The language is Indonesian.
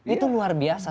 itu luar biasa